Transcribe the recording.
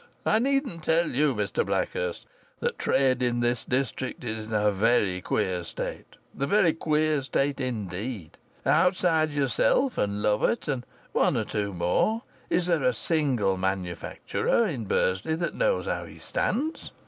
I needn't tell you, Mr Blackhurst, that trade in this district is in a very queer state a very queer state indeed. Outside yourself, and Lovatt, and one or two more, is there a single manufacturer in Bursley that knows how he stands?